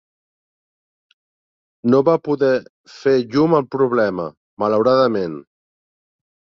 No va poder fer llum al problema, malauradament.